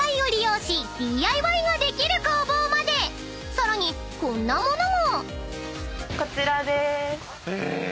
［さらにこんなものも］